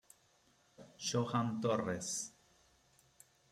Johan torres